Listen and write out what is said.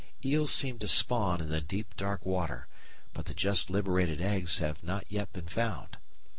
Eels seem to spawn in the deep dark water; but the just liberated eggs have not yet been found.